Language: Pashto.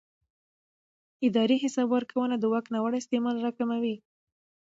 اداري حساب ورکونه د واک ناوړه استعمال راکموي